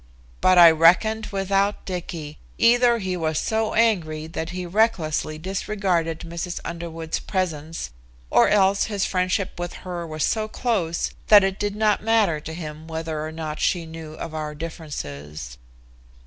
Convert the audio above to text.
But I reckoned without Dicky. Either he was so angry that he recklessly disregarded Mrs. Underwood's presence or else his friendship with her was so close that it did not matter to him whether or not she knew of our differences.